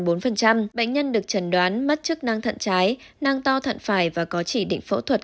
bệnh nhân được trần đoán mất chức năng thận trái năng to thận phải và có chỉ định phẫu thuật